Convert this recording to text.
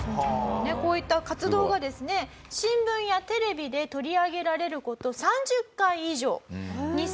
こういった活動がですね新聞やテレビで取り上げられる事３０回以上。